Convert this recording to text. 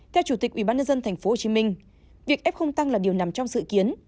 theo chủ tịch ubnd tp hcm việc f tăng là điều nằm trong dự kiến